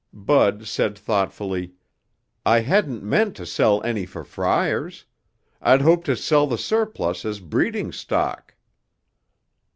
Bud said thoughtfully, "I hadn't meant to sell any for fryers. I'd hoped to sell the surplus as breeding stock."